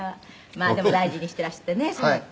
「まあでも大事にしていらしてねそうやって」